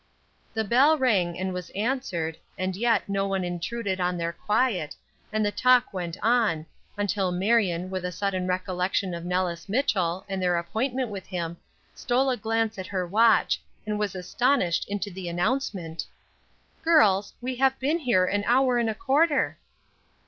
The bell rang and was answered, and yet no one intruded on their quiet, and the talk went on, until Marion, with a sudden recollection of Nellis Mitchell, and their appointment with him, stole a glance at her watch, and was astonished into the announcement: "Girls, we have been here an hour and a quarter!"